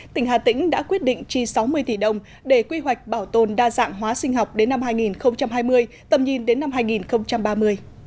tỉnh hà tĩnh đã quyết định chi sáu mươi tỷ đồng để quy hoạch bảo tồn đa dạng hóa sinh học đến năm hai nghìn hai mươi tầm nhìn đến năm hai nghìn ba mươi